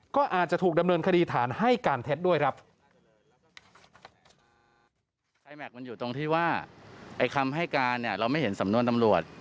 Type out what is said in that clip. ก็อาจจะถูกดำเนินคดีฐานให้การเท็จด้วยครับ